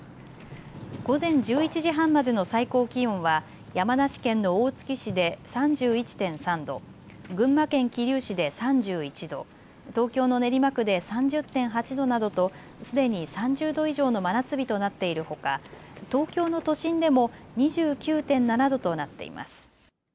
午前１１時半までの最高気温は山梨県の大月市で３１．３度、群馬県桐生市で３１度、東京の練馬区で３０．８度などとすでに３０度以上の真夏日となっているほか、東京の都心でも２９．７度となっています。